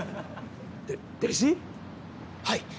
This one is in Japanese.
はい！